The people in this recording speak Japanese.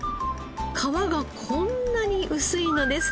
皮がこんなに薄いのですね。